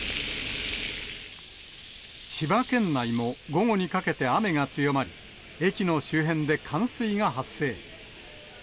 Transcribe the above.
千葉県内も午後にかけて雨が強まり、駅の周辺で冠水が発生。